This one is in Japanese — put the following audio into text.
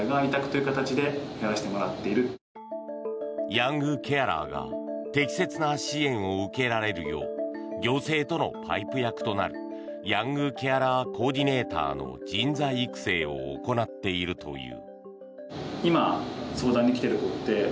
ヤングケアラーが適切な支援を受けられるよう行政とのパイプ役となるヤングケアラーコーディネーターの人材育成を行っているという。